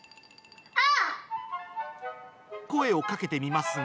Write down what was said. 声をかけてみますが。